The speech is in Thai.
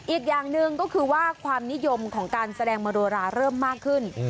อีกอย่างหนึ่งก็คือว่าความนิยมของการแสดงมโดราเริ่มมากขึ้น